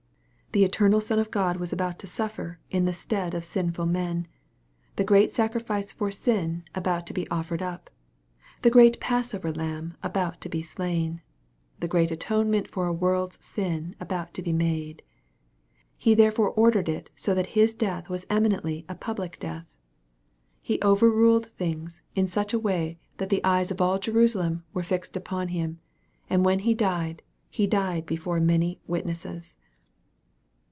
The eternal Son of God was about to suffer in the stead of sinful men the great sacrifice for sin about to be offered up the great Passover Lamb about to be slain the great atonement for a world's sin about to be made. He therefore ordered it so that His death was eminently a public death. He over ruled things in such a way that 228 EXPOSITORY THOUGHTS. the eyes of all Jerusalem were fixed upon Him, and when He died, He died before many witnesses.